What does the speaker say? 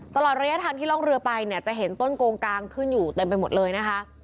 ตลอดระยะทางที่ร่องเรือไปเนี่ยจะเห็นต้นโกงกลางขึ้นอยู่เต็มไปหมดเลยนะคะ